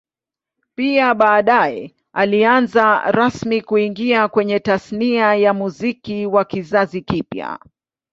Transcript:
Pia baadae alianza rasmi kuingia kwenye Tasnia ya Muziki wa kizazi kipya